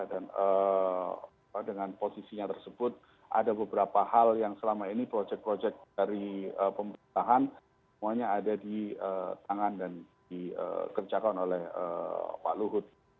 dan dengan posisinya tersebut ada beberapa hal yang selama ini projek projek dari pemerintahan semuanya ada di tangan dan dikerjakan oleh pak luhut